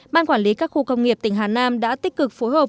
ban quản lý các khu công nghiệp tỉnh hà nam đã tích cực phối hợp